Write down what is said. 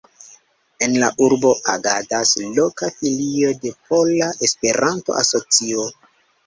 En la urbo agadas loka Filio de Pola Esperanto-Asocio.